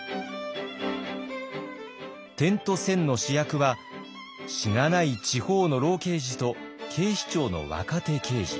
「点と線」の主役はしがない地方の老刑事と警視庁の若手刑事。